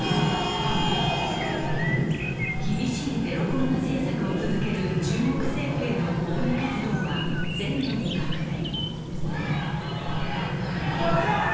厳しいゼロコロナ政策を続ける中国政府への抗議活動は全土に拡大。